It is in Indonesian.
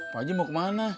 pak haji mau kemana